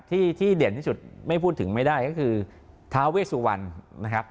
ที่ที่เด่นที่สุดไม่พูดถึงไม่ได้ก็คือท้าเวสุวรรณนะครับ